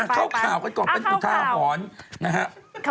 เข้าข่าวกันก่อนเป็นอุทาหอนนะครับ